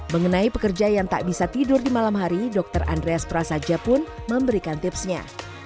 mengenai pekerja yang tak bisa tidur di malam hari dokter andreas prasaja pun memberikan tipsnya